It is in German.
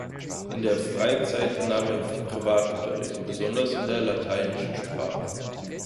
In der Freizeit nahm er Privatunterricht, besonders in der lateinischen Sprache.